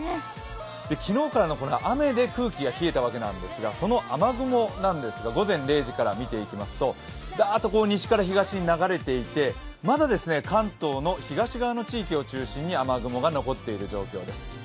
昨日からの雨で空気が冷えたわけなんですがその雨雲なんですが、午前０時から見ていきますとダーッと西から東に流れていてまだ関東の東側の地域を中心に雨雲が残っている状況です。